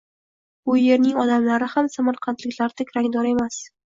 Bu yerning odamlari ham samarqandliklardek rangdor emas.